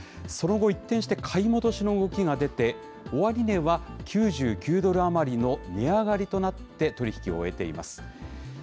その後、一転して買い戻しの動きが出て終値は９９ドル余りの値上がりとなって取り引きを終えています。